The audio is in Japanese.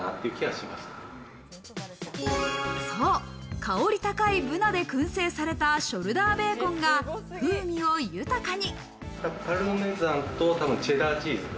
香り高いブナでくん製されたショルダーベーコンが風味を豊かに。